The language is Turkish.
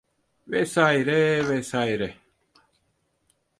Vesaire, vesaire.